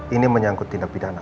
ini menyangkut tindak pidana